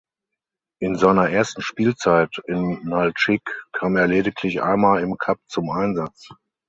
In seiner ersten Spielzeit in Naltschik kam er lediglich einmal im Cup zum Einsatz.